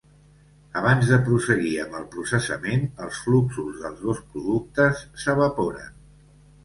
Abans de prosseguir amb el processament, els fluxos dels dos productes s'evaporen.